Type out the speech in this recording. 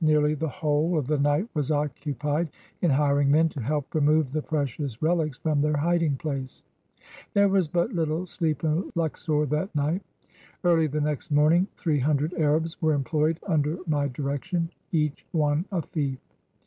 Nearly the whole of the night was occupied in hiring men to help remove the precious relics from their hiding place. There was but little sleep in Luxor that night. Early the next morning three hundred Arabs were employed under my direction — each one a thief.